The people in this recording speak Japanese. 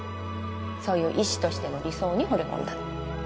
そういう医師としての理想にほれ込んだの